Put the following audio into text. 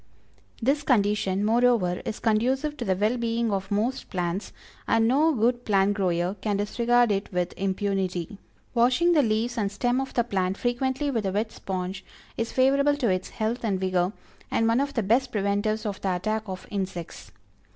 This condition, moreover, is conducive to the well being of most plants, and no good plant grower can disregard it with impunity. Washing the leaves and stem of the plant frequently with a wet sponge, is favorable to its health and vigor, and one of the best preventives of the attack of insects.